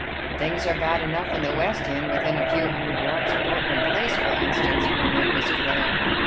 "Things are bad enough in the West End, within a few hundred yards of Portland Place, for instance," murmured Miss Clare.